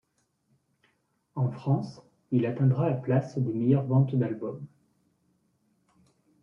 En France, il atteindra la place des meilleures ventes d'album.